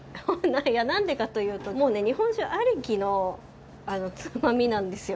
なんでかというともうね日本酒ありきのつまみなんですよ